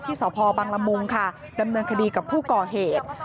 สพบังละมุงค่ะดำเนินคดีกับผู้ก่อเหตุ